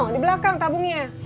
di belakang tabungnya